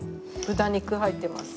豚肉入ってます。